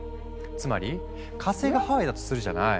つまり火星がハワイだとするじゃない？